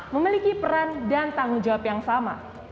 memiliki peran dan tanggung jawab yang sama